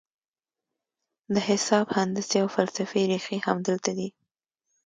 د حساب، هندسې او فلسفې رېښې همدلته دي.